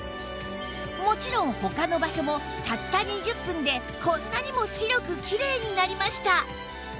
もちろん他の場所もたった２０分でこんなにも白くキレイになりました